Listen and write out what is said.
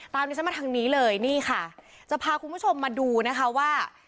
ดิฉันมาทางนี้เลยนี่ค่ะจะพาคุณผู้ชมมาดูนะคะว่า